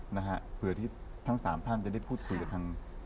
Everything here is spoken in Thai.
นะฮะเผื่อที่ทั้ง๓ท่านจะได้พูดสวยกัน